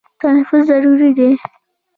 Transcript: تنفس ضروري دی.